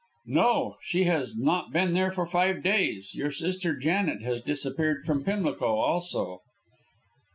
"No, she has not been there for five days. Your sister Janet has disappeared from Pimlico also."